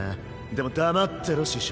でも黙ってろ師匠。